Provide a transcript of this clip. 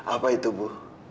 apa itu bu